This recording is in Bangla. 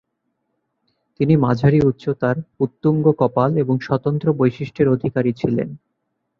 তিনি মাঝারি উচ্চতার, উত্তুঙ্গ কপাল এবং স্বতন্ত্র বৈশিষ্ট্যের অধিকারী ছিলেন।